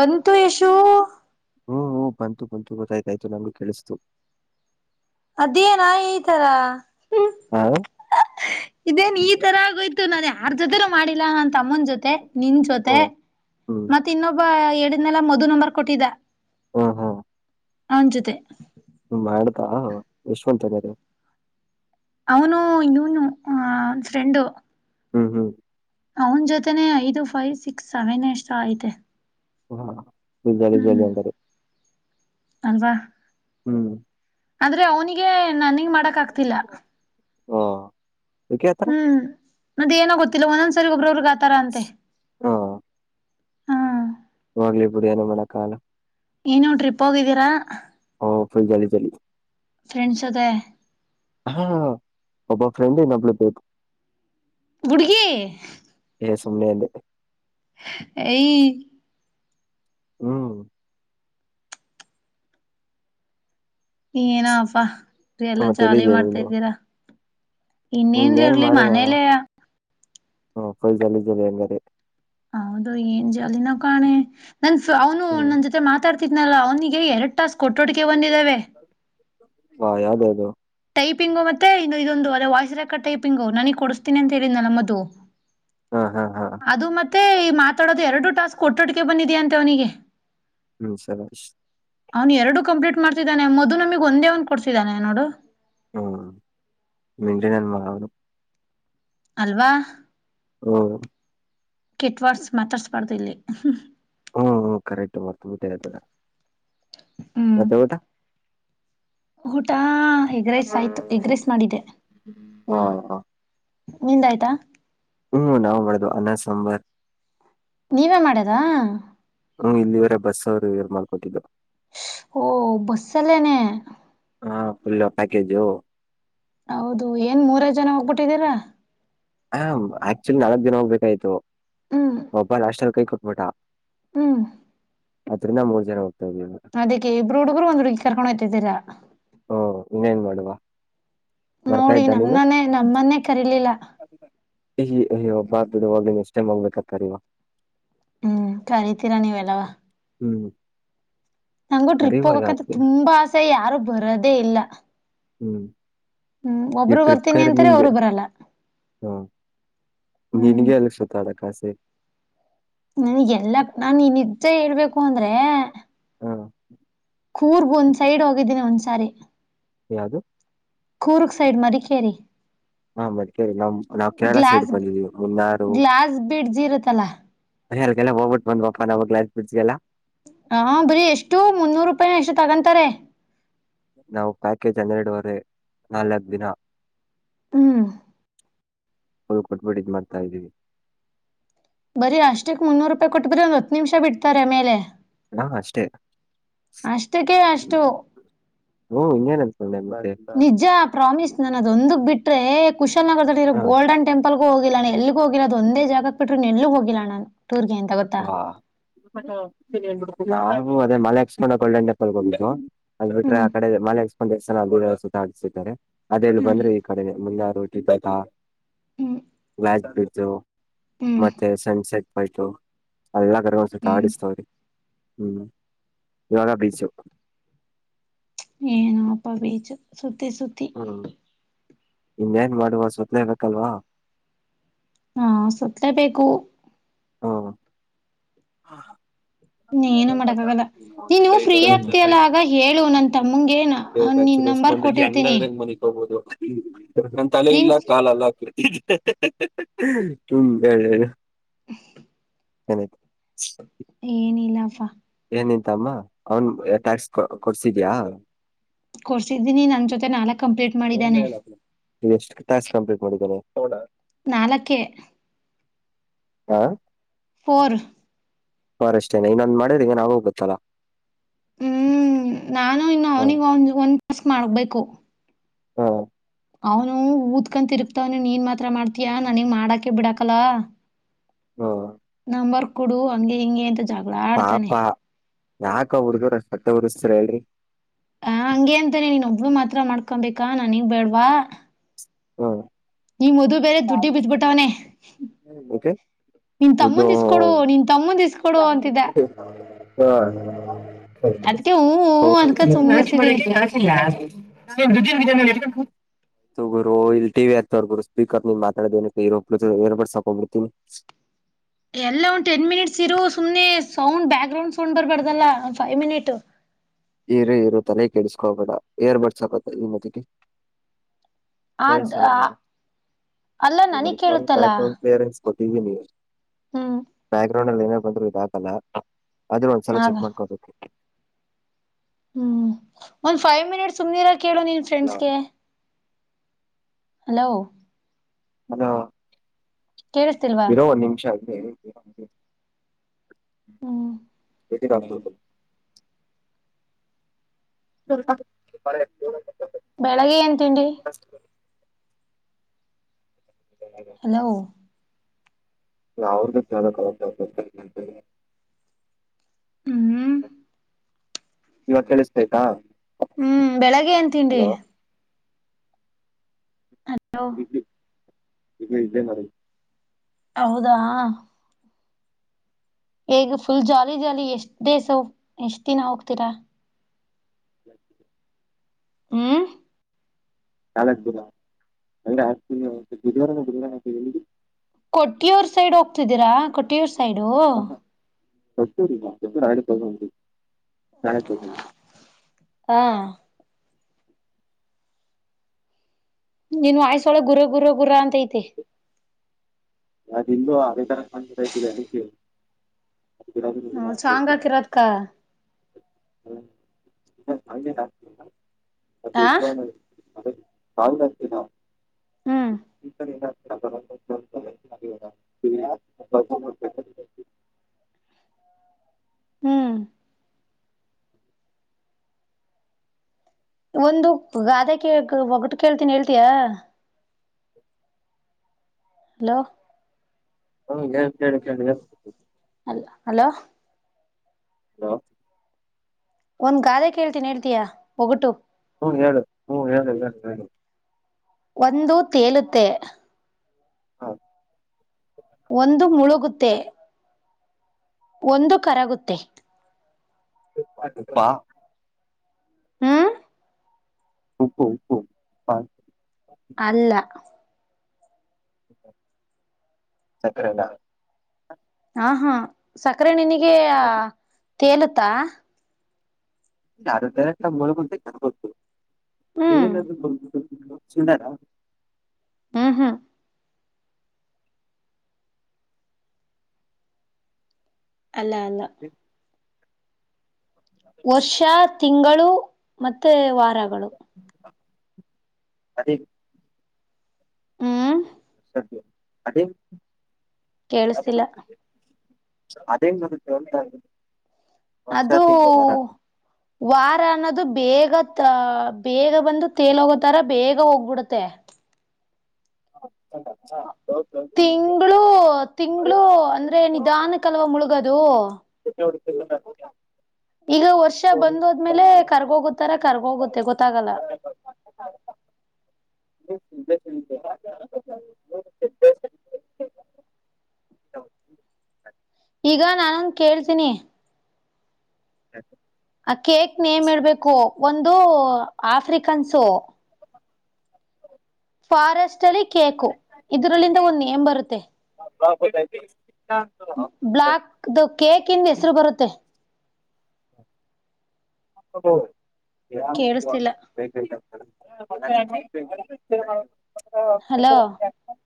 ಬಂತು ಏಷು ಹ್ಮ್ ಹ ಬಂತು ಬಂತು ಗೊತ್ತಾಯ್ತ ಆಾಯ್ತು ನಂಗಗೂ ಕೇಳಿಸ್ತು ಅದೇನಾ ಈ ತರ ಹಾ ಇದೇನ್ ಈ ತರ ಆಗೋಯ್ತು ನಾನನ್ ಯಾರ್ ಜೊತೆನೂ ಮಾಡಿಲ್ಲಾ ನನ್ ತಮ್ಮನ ಜೊತೆ ನಿನ್ ಹ ಜೊತೆ ಹ್ಮ್ ಮತ್ತ ಇನ್ನೊಬ್ಬ ಎರಡನೆೆಲ್ಲ ಮದ್ ನಂಬರ್ ಕೊಟ್ಟಿದ ಹಾ ಹಾ ಹಂಜತೆ ಮಾಡ್ತಾ ಯಶವಂತ ಮದು ಅವನು ಇವನು ಆ ಒಂದ ಫ್ರೆಂಡು ಹ್ಮ್ ಹ್ಮ್ ಅವನ ಜೊತೆನೆೇ ಐದು ಫೈವ್ ಸಿಕ್ಸ್ ಸೆವೆನ್ ಎಷ್ಟ ಆಐತೆ ಹಾ ಬ ಜ ಅಂದಾರೆ ಅಲ್ವಾ ಹ್ಮ್ ಆದಂದ್ರೆ ಅವನಿಗೆ ನನ್ಗ್ ಮಾಡಕ್ ಆಗ್ತಿಲ್ಲ ಹಾ ಹ್ಮ್ ಮತ್ತೆ ಏನ ಗೊತ್ತಿಲ್ಲ ಒಂದೊಂದ್ಸರಿ ಒಬ್ರ ಒಬ್ಬರಿಗೆ ಆತರ ಅಂತೆ ಹ ಹಾ ಹೋಗ್ಲಿ ಬಿಡಿ ಏನು ಮಾಡಕಾಗಲ್ಲ ಏನೋ ಟ್ರಿಪ್ ಹೋಗಿದ್ದೀರಾ ಓ ಫುಲ್ ಜಾಲಿ ಜಾಲಿ ಫ್ರೆಂಡ್ಸ್ ಅದೆ ಹ ಒಬ ಫ್ರೆಂಡ ಇನ್ನೊಬ್ಬಲ್ ಬೇಕು ಹುಡುಗಿ ಎ ಸುಮ್ಮನೆ ಅಂದೆ [unintelligible] ಏಯೈ ಹ್ಮ ಏನಪ್ಪಾ ಎಲ್ಲ ಮತ್ತೆ ಜಾಲಿ ಮಾಡ್ತಾ ಇದ್ದೀರಾ ಇನ್ನೇನ್ ಹನ್ನ ಏನ್ ಇರ್ಲಿ ಮಾಡುವ ಹ ಮನೇಲೆ ನಮ್ಮಪ್ಪ ಜಾಲಿ ಜಾಲಿ ಅಂದಾರೆ ಹೌದು ಏನ್ ಜಾಲಿನೋ ಕಾಣೆ ನನ್ ಫ್ಲಾವನು ಅಣ್ಣನ್ ಜೊತೆ ಮಾತಾಡ್ತ ತಿದ್ನಲ್ಲ ಅವನಿಗೆ ಎರಡು ಹಾ ಯಾವ್ದು ಆದು ಟೈಪಿಂಗು ಮತ್ತೆ ಇ ಇದೊಂದು ಅದೇ ವಾಯ್ಸ್ ರೆಕಾರ್ಡ್ ಟೈಪಿಂಗು ನನಗ್ ಕೊಡಿಸ್ತೀನಿ ಅಂತ ಹೇಳಿದ್ನಲ್ಲ ಮಧು ಹಾ ಹಾ ಹಾ ಅದು ಮತ್ತೆ ಮಾತಾಡೋದು ಎರಡು ಟಾಸ್ಕ್ ಕೊಟ್ಟೋಟಿಗೆ ಬಂದಿದ್ಯಾ ಅಂತೆವನಿಗೆ ಹ್ಮ್ ಸರಿ ಅವನು ಎರಡು ಕಂಪ್ಲೀಟ್ ಮಾಡ್ತಿದ್ದಾನೆ ಮದು ನಮಗ್ ಒಂದೇ ಒಂದ್ ಕೊಡ್ಸಿದ್ದಾನೆ ನೋಡು ಹ್ಮ್ ನಿಜೇನಾದ್ ಮಾಡು ಅಲ್ವಾ ಹ್ಮ ಕೆಟ್ವಾಡ್ಸ ಮಾತಾಡ್ಸ್ಬಾರ್ದು ಇಲ್ಲಿ ಹ್ಮ್ ಕರೆಕ್ಟ್ ಮರ್ತಬಿಟ್ಟೆ ಅದನ್ನ ಹ್ಮ್ ಮತ್ತೆ ಊಟಾ? ಊಟ ಹೆಗ್ರೈಸ್ ಆಯ್ತು ಟೀಗ್ರೇಸ್ ಮಾಡಿದ್ದೆ. ಹಾ ಹಾ ನಿಂದಾಯ್ತಾ? ಹ ನಾವು ಮಾಡದು ಅನ್ನಾ ಸಾಂಬಾರ. ನೀವೇ ಮಾಡದಾ? ಹ್ಮ್ ಇಲ್ಲಿವರೆ ಬಸ್ ಅವ್ರ ಇವರ್ ಮಾಡ್ಕೊಟ್ಟಿದ್ದು. ಓ ಬಸ್ ಅಲ್ಲೇನೇ. ಹಾ ಫುಲ್ ಪ್ಯಾಕೇಜು. ಹೌದು ಏನ್ ಮೂರೆ ಜನ ಹೋಗ್ಬಿಟ್ಟಿದೀರ. ಹ ಆಕ್ಚುಲಿ ನಾಕ್ ದಿನ ಹೋಗ್ಬೇಕಾಯ್ತು ಒಬ್ಬ ಲಾಸ್ಟಲಿ ಕೈ ಕೊಟ್ಬಿಟ ಹ್ಮ ಅದರಿಂದ ಮೂರ್ ಜನ ಹೋಗ್ತಾ ಇದ್ದೀವಿ ಅದಕ್ಕೆ ಇಬ್ಬರು ಹುಡುಗ್ರು ಒಂದ್ ಹುಡುಗಿ ಕರ್ಕೊಂಡ ಹೊಯ್ತಿದೀರಾ. ಓ ಇನ್ನೇನ್ ಮಾಡುವ. ಬರ್ತಾ ನೋಡಿ ಇದ್ದ ನೀನು ನನ್ನನೇ ನಮ್ಮನ್ನೇ ಕರಿಲಿಲ್ಲ. ಅಯ್ಯಿ ಅಯ್ಯೋ ಬಾ ಬಿಡುವ ನೆಕ್ಸ್ಟ್ ಟೈಮ್ ಹೋಗ್ಬೇಕಾರೆ ಕರಿವಾ. ಹ್ಮ್ ಕರಿತೀರಾ ನೀವೆಲ್ಲವಾ. ಹ್ಮ್ ನಂಗು ಟ್ರಿಪ್ ಕರಿವ ಹೋಗಕಂತ ಯಾಕೆ ತುಂಬಾ ಆಸೆ ಯಾರು ಬರೋದೇ ಇಲ್ಲ. ಹ್ಮ್ ಹ್ಮ್ ಈ ಒಬ್ರು ಟ್ರಿಪ್ ಬರ್ತೀನಿ ಕರ್ಯದ್ ಅಂತಾರೆ ನಿಂಗೆ. ಅವರು ಬರಲ್ಲ ಹ್ಮ್ ನಿನ್ಗೆ ಅಲ್ಲಿ ಸುತ್ತಾಡಕ್ ಆಸೆ. ನನ್ಗೆಲ್ಲ ನಾನ್ ಇ ನಿಜ್ಜ ಹೇಳ್ಬೇಕು ಅಂದ್ರೆ ಹಾ ಕೂರ್ಗ ಒಂದ್ ಸೈಡ್ ಹೋಗಿದ್ದೀನಿ ಒಂದ್ಸಾರಿ ಯಾವದು? ಕೂರ್ಗ್ ಸೈಡ್ ಮಡಿಕೇರಿ. ಹಾ ಮಡಿಕೇರಿ ನಮ್ಮ ನಾವ್ ಕೇರಳ ಸೈಡ್ ಬಂದಿದೀವಿ ಮುನ್ನಾರು ಗ್ಲಾಸ್ ಬಿಡ್ಜ್ ಇರುತ್ತಲ್ಲ ಏ ಅಲ್ಲೀಗೆಲ್ಲ ಹೋಗ್ಬಿಟ್ ಬಂದ್ವಪ್ಪಾ ನಾವ್ [unintelligible] ಹ ಹ ಬರೀ ಎಷ್ಟು ಮುನ್ನೂರು ರೂಪಾಯಿ ಏನ ಎಷ್ಟು ತಗೊಂತಾರೆ. ನಾವು ಪ್ಯಾಕೇಜ್ ಹನ್ನೆರಡು ವರೆ ನಾಲ್ಕ ದಿನ. ಹ್ಮ್ ಅದು ಕೊಟ್ಬಿಟ ಇದ ಮಾಡ್ತಾ ಇದೀವಿ. ಬರೀ ಅಷ್ಟಕ್ ಮುನ್ನೂರು ರೂಪಾಯಿ ಕೊಟ್ಟ ಬಿಟ್ರೆ ಒಂದ್ ಹತ್ ನಿಮಿಷ ಬಿಡ್ತಾರೆ ಮೇಲೆ. ಹಾ ಅಷ್ಟೇ. ಅಷ್ಟಕ್ಕೆ ಅಷ್ಟು. ಹ್ಮ್ ಇನ್ನೇನ್ ಅನ್ಕೊಂಡೆ ಬಾರಿ ನಿಜ ಪ್ರಾಮಿಸ್ ನಾನು ಅದೊಂದಕ್ ಬಿಟ್ರೆ ಕುಶಲ್ ನಗರದಲ್ಲಿ ಇರೋ ಹ ಗೋಲ್ಡನ್ ಟೆಂಪಲ್ ಹೋಗಿಲ್ಲ ನಾ ಎಲ್ಲಿಗೂ ಹೋಗಿಲ್ಲ ಅದ ಒಂದೇ ಜಾಗಕ್ ಬಿಟ್ರೆ ಇನ್ನ್ ಎಲ್ಲೂ ಹೋಗಿಲ್ಲ ನಾನ್. ವ್ಹಾ ನಾನೂ ಹ್ಮ್ ಅದೇ ಮಾಲಿ ಆಕ್ಸ್ಕಣಕ್ಕ ಗೋಲ್ಡನ್ ಟೆಂಪಲ್ಗ ಹೋಗಿದ್ದೋವ್ ಅದ ಬಿಟ್ರೆ ಹ್ಮ್ ಆಕಡೆ ಮಾಲಿ ಒಂದ ಯಾಡ್ ಸಲಾ ಗೋಡೆಯಲ್ಲಾ ಸುತ್ತಾಡ್ಸಿದಾರೆ ಅದೆಲ್ಲಿ ಹ್ಮ್ ಬಂದ್ರೆ ಈ ಕಡೆ ಮುನ್ನಾರು [unintelligible] ಹ್ಮ್ ಹ್ಮ್ [unintelligible] ಸನ್ಸೆಟ್ ಪಾಯಿಂಟು. ಅಲ್ಲಿ ಎಲ್ಲಾ ಕಡೆನೂ ಹ್ಮ್ ಸುತ್ತಾಡಿಸ್ತವ್ರೆ. ಹ್ಮ್ [unintelligible] ಬೀಚ್. ಏನೋ ಅಪ್ಪ ಬೀಚ್ ಸುತ್ತಿ ಸುತ್ತಿ ಹ್ಮ್ ಇನ್ನೇನ್ ಮಾಡುವ ಸುತ್ಲೇ ಬೇಕಲ್ವಾ. ಹಾ ಸುತ್ತಲೇ ಬೇಕು. ಹಾ ನೀ ಏನು ಮಾಡಕ್ ಆಗಲ್ಲ ನೀನು ಫ್ರೀ ಆಗ್ತಿಯಲ್ಲ ಆಗ ಹೇಳು ನನ್ ತಮ್ಮಂಗೇನ ನಿನ್ನ ಒಂದ್ರ ಹೆಂಗದ್ರಂಗಗೆ ಮನೆಕ್ ಹೋಗೋುದು ನ ತಲೆ ನೀನ್ ಇಲ್ಲ ಕಾಲ ಅಲ್ಲ ತುಂಬ ಕ ಹನಿತ ಏನಿಲ್ಲಪ್ಪ ನಿಂತಮ್ಮ ಅವ್ನ್ ಟ್ಯಾಕ್ಸ್ ಕೊಡ್ಸಿದ್ಯಾ ಹ ಕೊಡ್ಸಿದ್ದೀನಿ ನನ್ ಜೊತೆ ನಾಲ್ಕ್ ಕಂಪ್ಲೀಟ್ ಮಾಡಿದ್ದಾನೆ ಲಸ್ಟ್ ಕಂಪ್ಲಿಟ್ ಮಾಡ ಹೌ ನಾಲ್ಕೇ ಹಾ ಫೋರ ಫಾರೆಸ್ಟ್ ಏನ ಇನ್ನೊಂದ್ ಮಾಡಿರ ಈಗ ನಾವು ಗೋತ್ತಲ್ಲಾ. ಹ್ಮ್ ನಾನು ಇನ್ನು ಹ ಅವನಿಗ ಒಂದ ಒಂದ್ ಟಾಸ್ಕ್ ಮಾಡಬೇಕು. ಹಾ ಅವನು ಊದಕೊ ತಿರುಗ್ತಾವನ ನೀನ್ ಮಾತ್ರ ಮಾಡ್ತಯ ನನಗ್ ಮಾಡಕೆ ಬಿಡಾಕಲ್ಲ ಹಾ ನಂಬರ್ ಕೊಡು ಹಂಗೆ ಹಿಂಗೆ ಅಂತ ಜಗಳ ಆಡ್ತಾನೆ ಪಾಪ ಯಾಕ ಹುಡ್ಗರ ಸಟ್ಟ ಉರ್ಸ್ತ್ರ ಹೇಳಿ ಹ ಹಂಗಗೆ ಅಂತಾನ ನೀನ್ ಒಬ್ಳ ಮಾತ್ರ ಮಾಡ್ಕೊಬೇಕಾ ನನ್ಗ್ ಬೇಡ್ವಾ ಹ್ಮ ನೀ್ ಮದು ಬೇರೆ ದುಡ್ಡಿ ಬಿತ್ಬಿಟ್ಟವನೇ ಓಕೆ ನಿನ್ ತಮ್ಮಂದಸ್ಕೊಡು ನಿನ್ ತಮ್ಮಂದ ಇಸ್ಕೊ ಹಾ ಸ ಅದಕ್ಕೆ ಹೂ ಹೂ ಅನ್ಕ ಸುಮ್ನಿರ್ಸಿದೀನಿ ನಚಿಲ್ಲ ತು ಗುರು ಇಲ್ಲಿ ಟಿ ಹಗ್ತ ಗುರು ಸ್ಪೀಕರ್ ನೀ ಮಾತಾಡರ್ಡ್ ಸಾಕ್ಬಿಡ್ತೀನಿ [inaudible] ಎಲ್ಲ ಒಂದ ಟೆನ್ ಮಿನಿಟ್ಸ್ ಇರು ಸುಮ್ನೆ ಸೌಂಡ್ ಬ್ಯಾಕ್ ಗ್ರೌಂಡ್ ಸೌಂಡ್ ಬರ್ಬಾರ್ದಲ್ಲ ಒ ಫೈವ್ ಮಿನಿಟ್ ನೀರ ಇರು ತಲೆ ಕೆಡಿಸಕೋಬೇಡ ಏರ್ ಬರ್ಸ್ ಆಕತ್ತ ಈ ಮತ್ತಿಗೆ [inaudible] ಅದ್ ಗೊತ್ತವಿ ಅಲ್ಲ ನನಗ್ ಕೇಳುತ್ತಲ್ಲ ನೀವು ಹ್ಮ್ ಬ್ಯಾಕ್ ಗ್ರೌಂಡ್ ಅಲ್ಲಿ ಏನ ಬಂದ್ರು ಇದಾಕಲ್ಲ ಆದದ್ರ ಒಂದ್ಸಲ ಹಾಗ ಚೆಕ್ ಮಾಡ್ಕೋಬೇಕತಿ ಹ್ಮ್ ಒಂದ್ ಫೈವ್ ಮಿನಿಟ್ ಸುಮ್ನೆರ ಕೇಳು ನೀನ್ ಅಲ್ಲ ಫ್ರೆಂಡ್ಸ್ಗೆ ಹಲೋ ಅಲ ಕೇಳಿಸ್ತಿಲ್ವಾ ಇರೋ ನಿಮಿಷ ಆ ಹ್ಮ್ ಎತ [inaudible] ಬೆಳಿಗ್ಗೆ ಎಏನ್ ತಿಂಡಿ ಹಲೋ ಅವ್ರ್ದ ಕೇಳತಂತಿ ಹ್ಮ್ ಇವತ್ ಕೇಳಿಸ್ಬೇಕಾ ಹ್ಮ್ ಬೆಳಿಗ್ಗೆ ಏನ್ ತಿಂಡಿ ಹಲೋ ಇದು ಇದದೆ ಮ್ರ ಹೌದಾ ಈಗ ಫುಲ್ ಜಾಲಿ ಜಾಲಿ ಎಷ್ಟ್ ದೇಸ ಎಷ್ಟ ದಿನ ಹೋಗ್ತೀರಾ ಹ ಹ್ಮ ಚಾಲವಾರು ಕೊಟ್ಟಿಯೂರ್ ಸೈಡ್ ಹೋಗ್ತಿದ್ದೀರಾ ಕೊಟ್ಟಿಯೂರ್ ಸೈಡು ಒಟ್ಟರಿ ಹಾ ನೀನು ಆಯಸ ಒಳ ಗುರ ಗುರ ಗುರ ಅಂತ ಐತೆ ನದು ಇಂದು ಅದೇ ತರ ಇದ್ದಿದೆ ಅಕ್ಕೆ ನ್ ಚಾಂಗ್ ಹಾಕಿರೋದಕ್ಕ ಆ ಕಾಲ ನ ನಾ ಹ್ಮ್ [inaudible] [inaudible] ಹ್ಮ್ ಒಂದು ಗಾದೆ ಕ ಒಗ್ಗಟ್ಟು ಕೇಳ್ತೀನಿ ಹೇಳ್ತಯಾ [inaudible] ಹಲೋ ಹೌ ಕೇಳಿ ಕೇಳಿ ಹೇಳ್ತ ಅಲ್ಲ ಅಲೋ ಹಲೋ ಒಂದ್ ಗಾದೆ ಕೇಳ್ತೀನಿ ಹೇಳ್ತಯಾ ಒಗಟ್ಟು ಹ್ಮ್ ಹೇಳು ಹ್ಮ್ ಹೇಳು ಹೇಳಿ ಹೇಳಿ ಒಂದು ತೇಲುತ್ತೆ [unintelligible] ಒಂದು ಮುಳುಗುತ್ತೆ ಒಂದು ಕರಗುತ್ತೆ ಪ್ಪಾ ಹ್ಮ ಉಪ್ಪು ಉಪ್ಪು ಅಲ್ಲ ಸಕ್ಕ್ರನಾ ಹ ಹಾ ಸಕ್ಕರೆ ನಿನಗೆ ಮತ್ತೆ ತೇಲುತ್ತಾ [inaudible] ಹ್ಮ್ ಸುನಾ ಹಾ ಹಾ ಅಲ್ಲ ಅಲ್ಲ ವರ್ಷ ತಿಂಗಳು ಮತ್ತೆ ವಾರಗಳು ಅದ ಹ್ಮ್ ಅದೇ ಕೇಳಿಸಿಲ್ಲ ಅದೇನ್ [inaudible] ಅದು ವಾರ ಅನ್ನೋದು ಬೇಗ ಬೇಗ ಬಂದು ತೇಲ್ ಹೋಗೋತಾರ ಬೇಗ ಹೋಗ್ಬಿಡುತ್ತೆ [inaudible] ತಿಂಗಳುೂ ತಿಂಗಳು ಅಂದ್ರೆ ನಿಧಾನಕ್ಕೆಲ್ವ ಮುಳುಗದು [inaudible] ಈಗ ವರ್ಷ ಬಂದದ್ಮೇಲೆ ಕರ್ಗೋಗುತ್ತಾರೆ ಕರ್ಗೋಗುತ್ತೆ ಗೊತ್ತಾಗಲ್ಲ ಬಬ [inaudible] ೆ [inaudible] ಈಗ ನಾನ ಕೇಳ್ತೀನಿ ಹ ಆ ಕೇಕ್ ನೇಮ ಇಡ್ಬೇಕು ಒಂದು ಆಫ್ರಿಕನ್ಸು ಫಾರೆಸ್ಟ್ ಅಲ್ಲಿ ಕೇಕು ಇದ್ರಲ್ಲಿಂದ ಒಂದು ನೇಮ್ ಬರುತ್ತೆ ಹಾ ಗತ್ತಾಯ್ತ ಬ್ಲ್ಯಾಕ್ ಕೇಕ್ ಇಂದ ಹೆಸರು ಬರುತ್ತೆ [inaudible] ಕೇಳಿಸ್ತಿಲ್ಲ ಬೇಗಾಗ್ತದೆ ಹಲೋ [inaudible]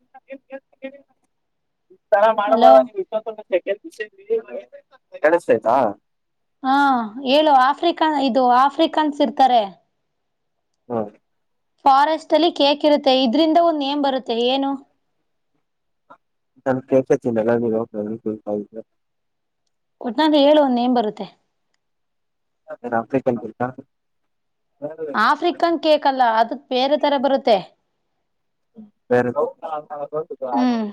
ಹಲೋ [unintelligible] ಕೇಳಿಸ್ತತೈತ ಹಾ ಹೇಳ ಆಫ್ರಿಕನ್ ಇದು ಆಫ್ರಿಕನ್ಸ್ ಇರ್ತಾರೆ ಹಾ ಫಾರೆಸ್ಟ್ ಅಲ್ಲಿ ಕೇಕ್ ಇರುತ್ತೆ ಇದ್ರಿಂದ ಒಂದು ನೇಮ್ ಬರುತ್ತೆ ಏನು ನಾನು ಕೇಕ್ ಹೇ ತಿನಲ್ಲ ನೀನು ಹೋಗಿ ಅದನ್ನ ಕೇಳ್ತಿದಿಯ ಒಟ್ನಲ್ಲಿ ಹೇಳು ಒಂದು ನೇಮ್ ಬರುತ್ತೆ ಆಫ್ರಿಕನ್ ಕೇಕ್ ಅ ಆಫ್ರಿಕನ್ ಕೇಕ್ ಅಲ್ಲ ಅದು ಬೇರೆ ತರ ಬರುತ್ತೆ ಬೇರೆ ಹ್ಮ್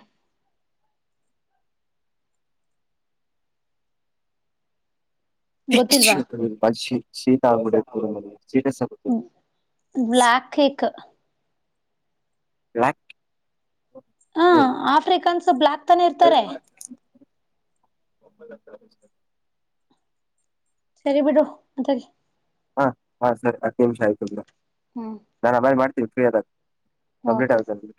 ಗೊತ್ತಿಲ್ವಾ [inaudible] ಬ್ಲ್ಯಾಕ್ ಕೇಕ್ [inaudible] ಬ್ಲ್ಯಾಕ್ ಹ ಆಫ್ರಿಕನ್ಸ್ ಬ್ಲಯಾಕ್ [unintelligible] ಸರಿ ಬಿಡು ಆತಗಿ ಹಾ ಹಾ ಸರಿ ಹತ್ತು ನಿಮಿಷ ಆಯ್ತು ಬ್ರೋ ಹ್ಮ್ ಬೈ ನಾನ್ ಮಾಡ್ತೀನಿ ಫ್ರೀ ಆದಾಗ ಕಂಪ್ಲೀಟ್ ಓಕೆ ಆಗುತ್ತೆ